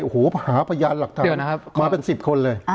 โอ้โหหาพยานหลักฐานมาเป็น๑๐คนเลย